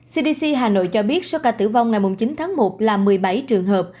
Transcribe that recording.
cdc hà nội cho biết số ca tử vong ngày chín tháng một là một mươi bảy trường hợp